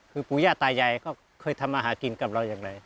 คือปู่ย่าตายายก็เคยทำมาหากินกับเราอย่างไร